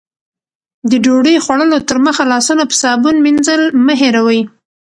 د ډوډۍ خوړلو تر مخه لاسونه په صابون مینځل مه هېروئ.